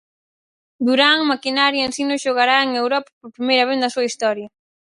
Durán Maquinaria Ensino xogará en Europa por primeira vez na súa historia.